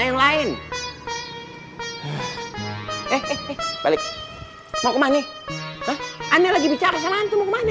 yang lain eh balik mau kemana aneh lagi bicara sama antum kemana